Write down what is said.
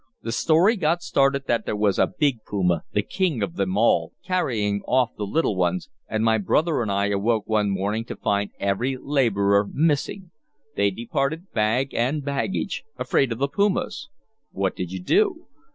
The story got started that there was a big puma the king of them all carrying off the little ones, and my brother and I awoke one morning to find every laborer missing. They departed bag and baggage. Afraid of the pumas." "What did you do?"